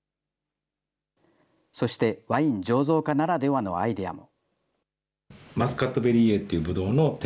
そして、ワイン醸造歌ならではのアイデアも。